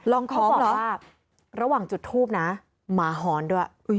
ขอเหรอระหว่างจุดทูปนะหมาหอนด้วย